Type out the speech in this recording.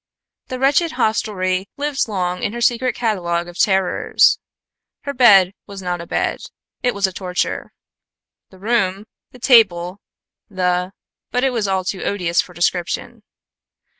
The wretched hostelry lived long in her secret catalogue of terrors. Her bed was not a bed; it was a torture. The room, the table, the but it was all too odious for description.